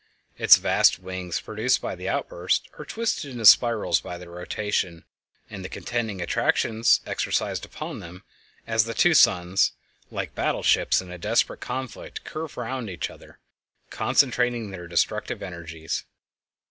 Its vast wings produced by the outburst are twisted into spirals by their rotation and the contending attractions exercised upon them, as the two suns, like battleships in desperate conflict, curve round each other, concentrating their destructive energies.